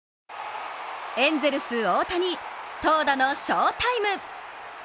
エンゼルス・大谷、投打の翔タイム！